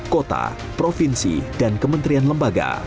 kota provinsi dan kementerian lembaga